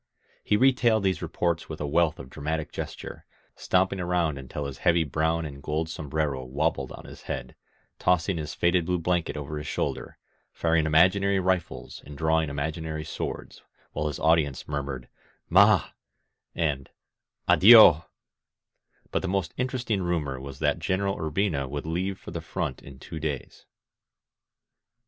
He retailed these reports with a wealth of dramatic gesture, stamping around until his heavy brown and gold sombrero wabbled on his head, tossing his faded blue blanket over his shoulder, firing imaginary rifles and drawing imaginary swords, 18 INSURGENT MEXICO while his audience murmured: MaV^ and AdioV* But the most interesting rumor was that General Urbina would leave for the front in two days.